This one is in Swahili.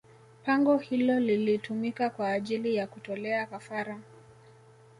Pango hilo lilitumika kwa ajili ya kutolea kafara